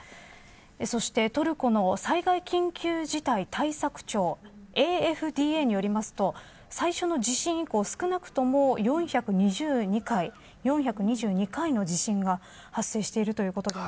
そしてトルコの災害緊急事態対策庁ＡＦＤＡによりますと最初の地震以降、少なくとも４２２回の地震が発生してるということです。